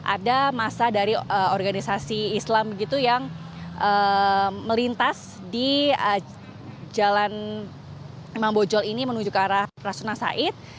ada masa dari organisasi islam yang melintas di jalan imam bonjol ini menuju ke arah rasul nasaid